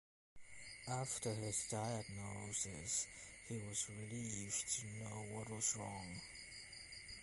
After his diagnosis he was relieved to know what was wrong.